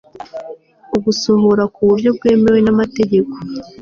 ugusohora ku buryo bwemewe n amategeko